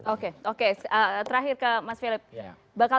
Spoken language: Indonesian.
terakhir ke mas philip bakal